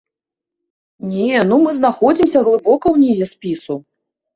Не, ну мы знаходзімся глыбока ўнізе спісу.